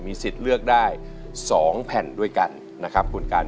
สิทธิ์เลือกได้๒แผ่นด้วยกันนะครับคุณกัน